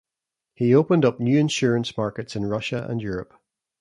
He opened up new insurance markets in Russia and Europe.